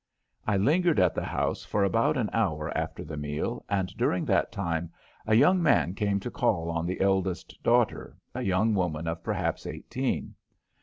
I lingered at the house for about an hour after the meal, and during that time a young man came to call on the eldest daughter, a young woman of perhaps eighteen.